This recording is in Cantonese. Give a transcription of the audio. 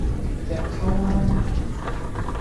隻揪吖!